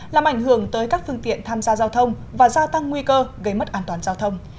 làm ảnh hưởng tới các phương tiện tham gia giao thông và gia tăng nguy cơ gây mất an toàn giao thông